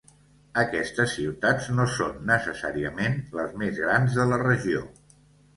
Aquestes ciutats no són necessàriament les més grans de la regió.